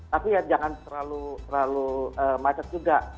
tapi ya jangan terlalu macet juga